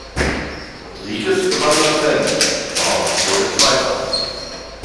Rodríguez gewann das Rennen, Love wurde Zweiter.